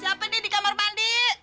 siapa nih di kamar mandi